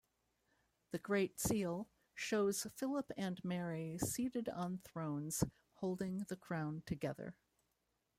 The Great Seal shows Philip and Mary seated on thrones, holding the crown together.